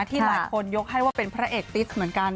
ที่หลายคนยกให้ว่าเป็นพระเอกติสเหมือนกัน